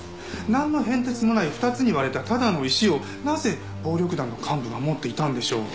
なんの変哲もない２つに割れたただの石をなぜ暴力団の幹部が持っていたんでしょう？